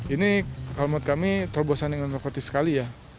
ini kalau menurut kami terbosan dengan lokalisasi sekali ya